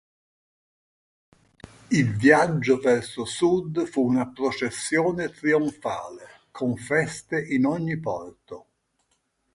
Il viaggio verso sud fu una processione trionfale, con feste in ogni porto.